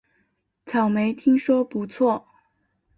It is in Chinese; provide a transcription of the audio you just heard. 草莓听说不错